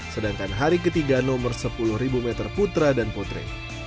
sedangkan hari ketiga nomor sepuluh meter putra dan putri